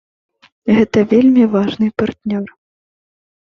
Гэта вельмі важны партнёр.